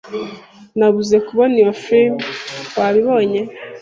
Nabuze kubona iyo firime. Wabibonye?